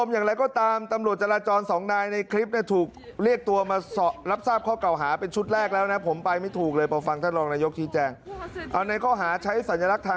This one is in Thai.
ยังไม่รู้เลยเป็นใคร